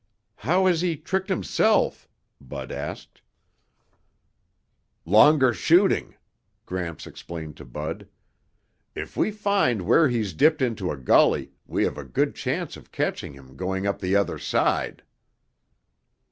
"How has he tricked himself?" Bud asked. "Longer shooting," Gramps explained to Bud. "If we find where he's dipped into a gully, we have a good chance of catching him going up the other side."